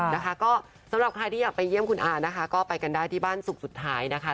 นะคะก็สำหรับใครที่อยากไปเยี่ยมคุณอานะคะก็ไปกันได้ที่บ้านสุขสุดท้ายนะคะ